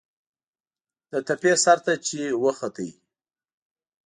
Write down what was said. د تپې سر ته چې وخوت.